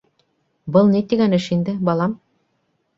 — Был ни тигән эш инде, балам?